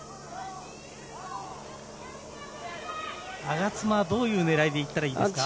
我妻はどういう狙いで行ったらいいですか？